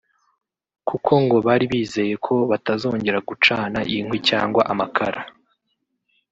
kuko ngo bari bizeye ko batazongera gucana inkwi cyangwa amakara